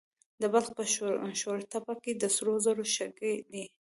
د بلخ په شورتپه کې د سرو زرو شګې دي.